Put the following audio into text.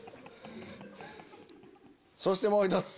そしてもう１つ。